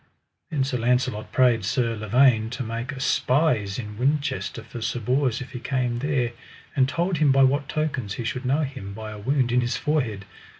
Then Sir Launcelot prayed Sir Lavaine to make aspies in Winchester for Sir Bors if he came there, and told him by what tokens he should know him, by a wound in his forehead.